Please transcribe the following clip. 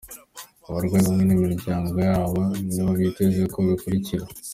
Abarwanyi hamwe n'imiryango yabo nibo vyitezwe ko bakurikira.